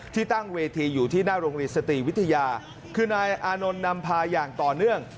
ตั้งเวทีอยู่ที่หน้าโรงเรียนสติวิทยาคือนายอานนท์นำพาอย่างต่อเนื่อง